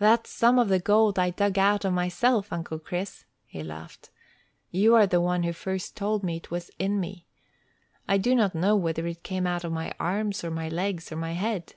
"That's some of the gold I dug out of myself, Uncle Chris," he laughed. "You are the one who first told me it was in me. I do not know whether it came out of my arms or my legs or my head."